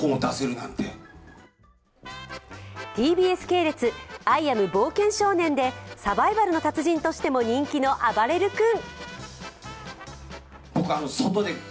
ＴＢＳ系列「アイ・アム・冒険少年」でサバイバルの達人としても人気の、あばれる君。